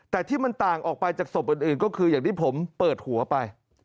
แต่ที่มันต่างออกไปจากศพอื่นก็คืออย่างที่ผมเปิดหัวไป